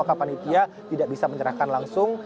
maka panitia tidak bisa menyerahkan langsung